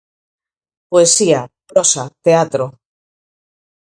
Poesía, prosa, teatro.